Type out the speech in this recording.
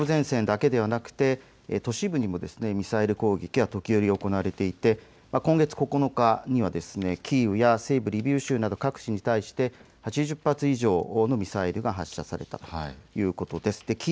東部前線だけではなくて都市部にもミサイル攻撃が時折行われていて今月９日、キーウや西部リビウ州など各地に対して８０発以上のミサイルが発射されたということです。